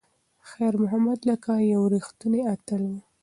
خیر محمد لکه یو ریښتینی اتل و.